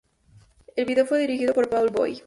El video fue dirigido por Paul Boyd.